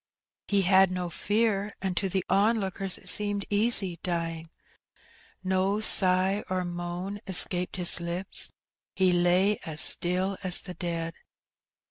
He had no fear, and to the onlookers it seemed easy dying. No sigh or moan escaped his lips; he lay as still as the dead.